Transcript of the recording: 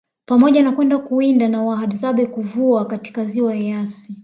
Pamoja na kwenda kuwinda na wahadzabe Kuvua katika Ziwa Eyasi